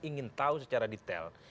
ingin tahu secara detail